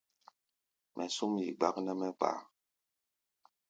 Mɛ súm yi, gbák ná mɛ́ kpaá.